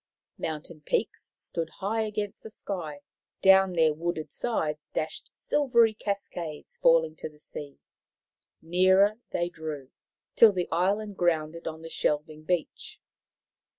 Mountain peaks stood high against the sky ; down their wooded sides dashed silvery cascades, falling to the sea. Nearer they drew, till the island grounded on the shelving beach.